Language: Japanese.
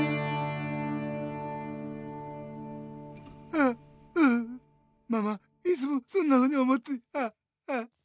ううううママいつもそんなふうに思ってああ。